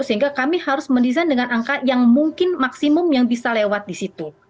sehingga kami harus mendesain dengan angka yang mungkin maksimum yang bisa lewat di situ